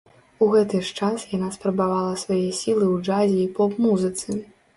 У гэты ж час яна спрабавала свае сілы ў джазе і поп-музыцы.